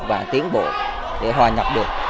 và tiến bộ để hòa nhập được